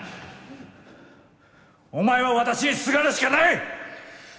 お前は私にすがるしかない！